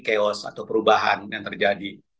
chaos atau perubahan yang terjadi